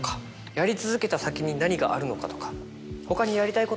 やり続けた先に何があるのかとか。